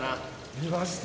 見ました。